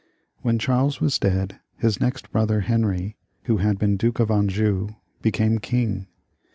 When Charles waa dead, his next brother Henry, who had been Duke of Anjou, became king.